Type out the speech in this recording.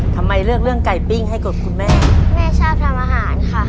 ทำไมเลือกเรื่องไก่ปิ้งให้กดคุณแม่แม่ชอบทำอาหารค่ะ